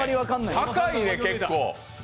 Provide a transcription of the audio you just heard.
高いね、結構。